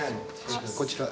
こちら。